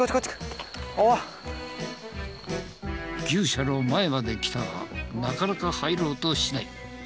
牛舎の前まで来たがなかなか入ろうとしない。